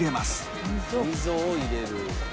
溝を入れる。